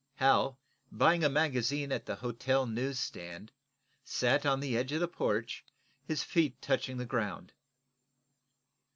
Hal, buying a magazine at the hotel news stand, sat on the edge of the porch, his feet touching the ground.